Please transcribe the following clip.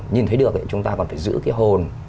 nhìn thấy được chúng ta còn phải giữ cái hồn